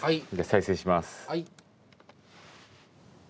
再生します。